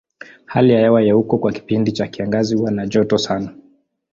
Hali ya hewa ya huko kwa kipindi cha kiangazi huwa na joto sana.